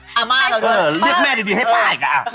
อำมาตย์ก็เกิดป้าเออเรียกแม่ดีให้ป้าอีกอะ